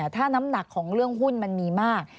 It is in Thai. ถ้าน้ำหนักของเรื่องหุ้นมันมีมาก